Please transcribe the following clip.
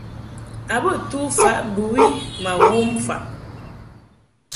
A bə tu faʼ bɨwi ma wom faʼ.